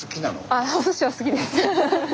ああおすしは好きです。